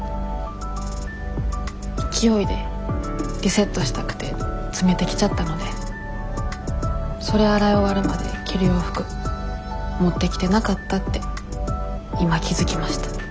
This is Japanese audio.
勢いでリセットしたくて詰めてきちゃったのでそれ洗い終わるまで着る洋服持ってきてなかったって今気付きました。